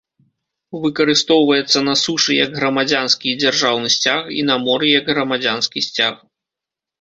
Выкарыстоўваецца на сушы як грамадзянскі і дзяржаўны сцяг і на моры як грамадзянскі сцяг.